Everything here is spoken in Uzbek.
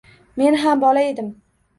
Men ham bola edim.